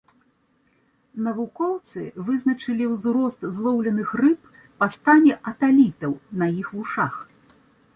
Навукоўцы вызначалі ўзрост злоўленых рыб па стане аталітаў на іх вушах.